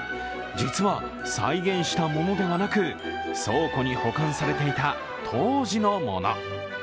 実は、再現したものではなく倉庫に保管されていた当時のもの。